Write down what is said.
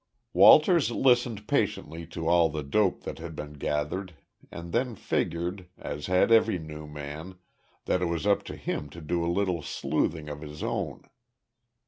Walters listened patiently to all the dope that had been gathered and then figured, as had every new man, that it was up to him to do a little sleuthing of his own.